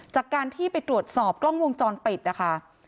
จากการที่ไปตรวจสอบกล้องวงจรปิดนะคะ